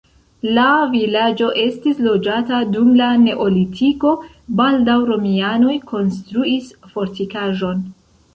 La vilaĝo estis loĝata dum la neolitiko, baldaŭ romianoj konstruis fortikaĵon.